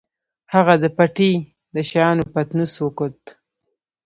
هغه د پټۍ د شيانو پتنوس وکوت.